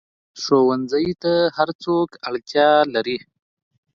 ښوونځی ته هر څوک اړتیا لري